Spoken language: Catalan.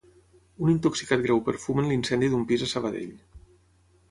Un intoxicat greu per fum en l'incendi d'un pis a Sabadell.